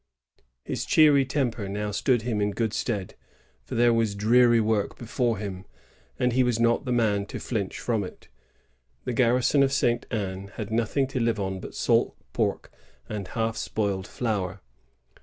^ His cheeiy temper now stood him in good stead; for there was dreaiy work before him, and he was not the man to flinch from it. The garrison of St. Anne had nothing to lire on but salt pork and half spoiled flour.